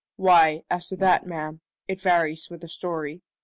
"Why, as to that, ma'am, it varies with the story.